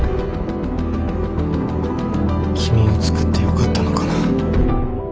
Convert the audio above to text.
君を作ってよかったのかな。